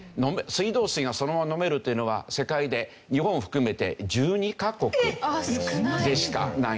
水道水がそのまま飲めるというのは世界で日本を含めて１２カ国でしかないんですね。